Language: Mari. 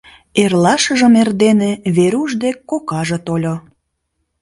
Эрлашыжым эрдене Веруш дек кокаже тольо.